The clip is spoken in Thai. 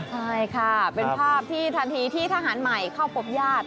ใช่ค่ะเป็นภาพที่ทันทีที่ทหารใหม่เข้าพบญาติ